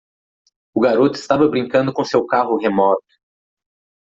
O garoto estava brincando com seu carro remoto.